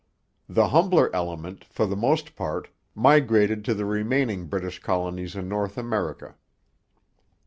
The humbler element, for the most part, migrated to the remaining British colonies in North America.